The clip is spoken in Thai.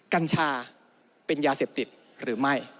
กัญชาเป็นยาเสพติดหรือไม่